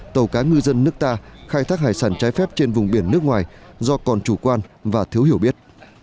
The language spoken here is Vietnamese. tàu cá ngư dân nước ta khai thác hải sản trái phép trên vùng biển nước ngoài do còn chủ quan và thiếu hiểu biết